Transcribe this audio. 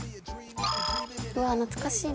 うわ懐かしいな。